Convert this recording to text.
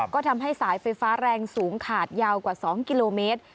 ก็ทำให้สายไฟฟ้าแรงสูงขาดยาวกว่า๒กิโลเมตร